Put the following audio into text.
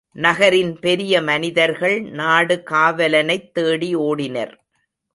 நகரின் பெரிய மனிதர்கள் நாடு காவலனைத் தேடி ஓடினர்.